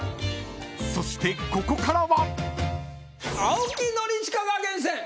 ［そしてここからは］